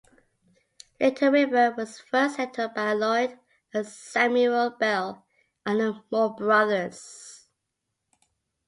Little River was first settled by Lloyd and Samuel Bell, and the Moore Brothers.